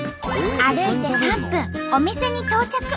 歩いて３分お店に到着。